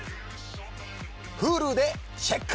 Ｈｕｌｕでチェック！